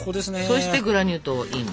そしてグラニュー糖をイン。